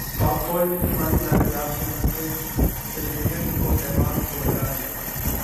پاک فوج نے شمالی علاقہ جات میں پھنسے سلوینیا کے کوہ پیما کو بچالیا